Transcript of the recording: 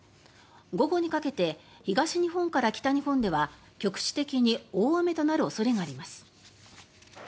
午後にかけて東日本から北日本では局地的に大雨となる恐れがあります。